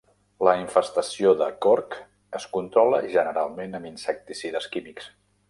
La infestació de corc es controla generalment amb insecticides químics.